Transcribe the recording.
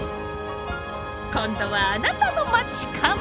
今度はあなたの町かも。